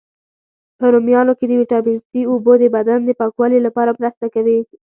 په رومیانو کی د ویټامین C، اوبو د بدن د پاکوالي لپاره مرسته کوي.